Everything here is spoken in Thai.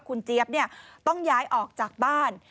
คุณเจี๊ยบต้องย้ายออกจากบ้าน